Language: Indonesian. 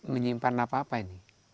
menyimpan apa apa ini